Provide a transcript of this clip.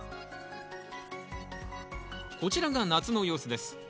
こちらが夏の様子です。